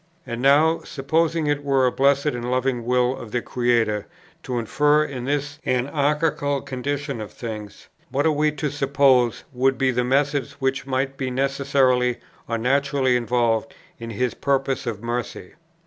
And now, supposing it were the blessed and loving will of the Creator to interfere in this anarchical condition of things, what are we to suppose would be the methods which might be necessarily or naturally involved in His purpose of mercy?